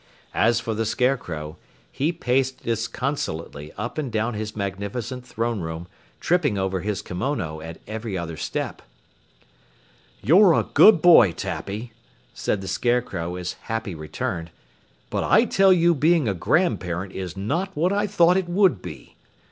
As for the Scarecrow, he paced disconsolately up and down his magnificent throne room, tripping over his kimona at every other step. "You're a good boy, Tappy," said the Scarecrow as Happy returned, "but I tell you being a grandparent is not what I thought it would be.